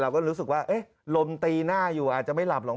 เราก็รู้สึกว่าเอ๊ะลมตีหน้าอยู่อาจจะไม่หลับหรอกมั้ง